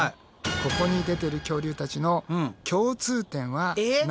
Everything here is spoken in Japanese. ここに出てる恐竜たちの共通点は何でしょう？